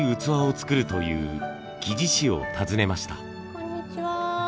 こんにちは。